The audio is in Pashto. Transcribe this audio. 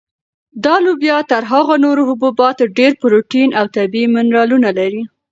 دا لوبیا تر هغو نورو حبوباتو ډېر پروټین او طبیعي منرالونه لري.